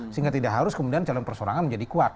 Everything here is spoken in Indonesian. sehingga tidak harus kemudian calon persorangan menjadi kuat